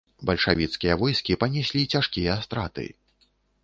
Бальшавіцкія войскі панеслі цяжкія страты.